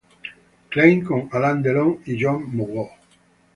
Klein" con Alain Delon y Jeanne Moreau.